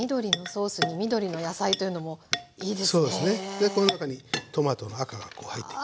でこの中にトマトの赤が入っていく。